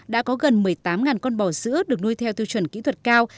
đã có gần một mươi tám con bò sữa được nuôi theo tiêu chuẩn kỹ thuật cao